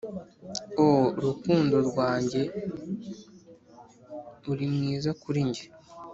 ooh rukundo rwanjye uri mwiza kuri njye